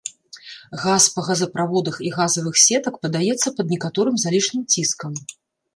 Газ па газаправодах і газавых сетак падаецца пад некаторым залішнім ціскам.